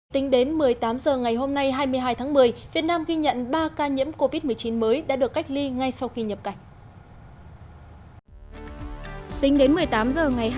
tính đến một mươi tám h ngày hôm nay hai mươi hai tháng một mươi việt nam ghi nhận ba ca nhiễm covid một mươi chín mới đã được cách ly ngay sau khi nhập cảnh